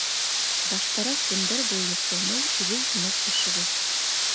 Баштараҡ төндәр буйы йоҡламай үҙе икмәк бешерә.